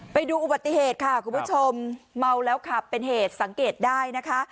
ไปดูอุบัติเหตุค่ะคุณผู้ชมเมาแล้วขับเป็นเหตุสังเกตได้นะคะ